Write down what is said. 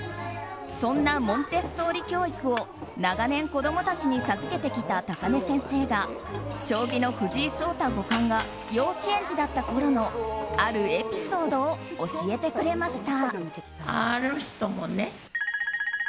そんなモンテッソーリ教育を長年、子供たちに授けてきた高根先生が将棋の藤井聡太五冠が幼稚園児だったころのあるエピソードを教えてくれました。